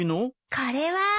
これは。